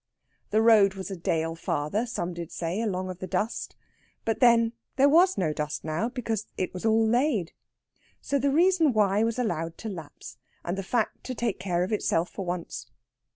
The road was a dale farther, some did say, along of the dust. But, then, there was no dust now, because it was all laid. So the reason why was allowed to lapse, and the fact to take care of itself for once.